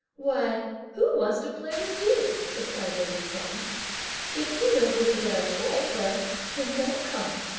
"Why, who wants to play with you?" replied lady Feng; "if you don't believe what I say, well then don't come!"